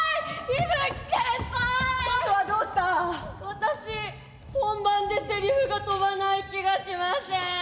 私本番でセリフが飛ばない気がしません。